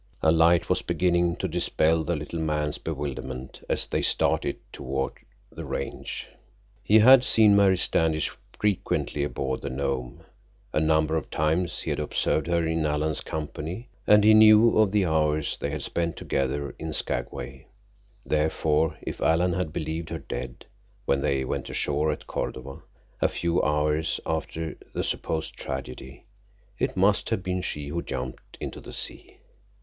A light was beginning to dispel the little man's bewilderment as they started toward the Range. He had seen Mary Standish frequently aboard the Nome; a number of times he had observed her in Alan's company, and he knew of the hours they had spent together in Skagway. Therefore, if Alan had believed her dead when they went ashore at Cordova, a few hours after the supposed tragedy, it must have been she who jumped into the sea.